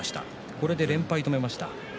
これで連敗を止めました。